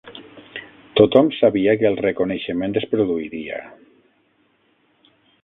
Tothom sabia que el reconeixement es produiria